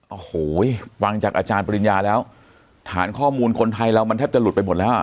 โอ้โหฟังจากอาจารย์ปริญญาแล้วฐานข้อมูลคนไทยเรามันแทบจะหลุดไปหมดแล้วอ่ะ